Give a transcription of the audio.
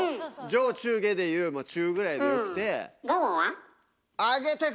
上中下で言うもう中ぐらいでよくて。